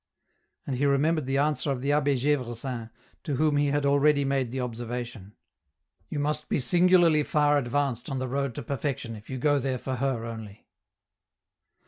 And he remembered the answer of the Abbd Gdvresin, to whom he had already made the observation. "You must be singularly far advanced on the road to perfection if you go there for Her only.